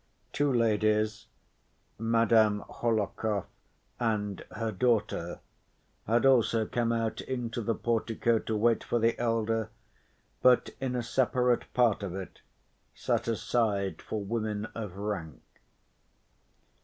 Two ladies, Madame Hohlakov and her daughter, had also come out into the portico to wait for the elder, but in a separate part of it set aside for women of rank.